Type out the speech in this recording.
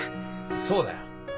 そうだよ！